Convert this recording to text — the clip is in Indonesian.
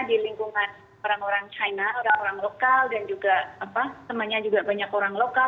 di lingkungan orang orang china orang orang lokal dan juga temannya juga banyak orang lokal